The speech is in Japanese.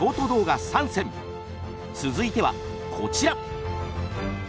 続いてはこちら！